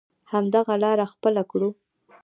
همدغه لاره خپله کړو.